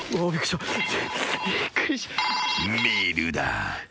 ［メールだ］